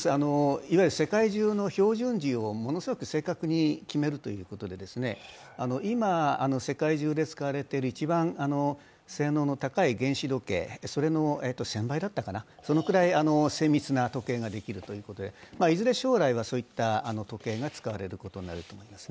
世界中の標準時をものすごく正確に決めるということで、今世界中で使われている一番性能の高い原子時計の１０００倍だったかなそれぐらい精密な時計ができるということでいずれ将来はそういった時計が使われるといわれています。